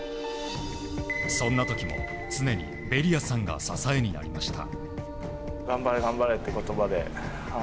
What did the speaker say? そんな時も常にベリアさんが支えになりました。